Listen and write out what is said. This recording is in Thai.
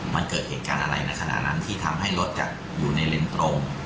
มันเกิดเหตุการณ์อะไรในขณะนั้นที่ทำให้รถอยู่ในเลนส์ตรง